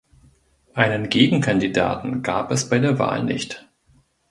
Einen Gegenkandidaten gab es bei der Wahl nicht.